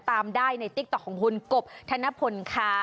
ตามได้ในติ๊กต๊อกของคุณกบธนพลค่ะ